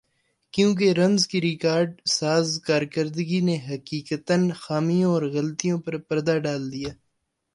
کیونکہ رنز کی ریکارڈ ساز کارکردگی نے حقیقتا خامیوں اور غلطیوں پر پردہ ڈال دیا